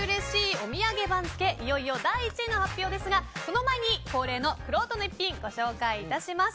お土産番付いよいよ第１位の発表ですがその前に恒例のくろうとの逸品ご紹介いたします。